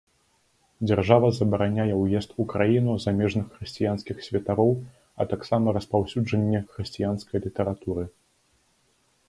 Дзяржава забараняе ўезд у краіну замежных хрысціянскіх святароў, а таксама распаўсюджанне хрысціянскай літаратуры.